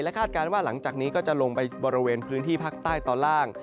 คาดการณ์ว่าหลังจากนี้ก็จะลงไปบริเวณพื้นที่ภาคใต้ตอนล่าง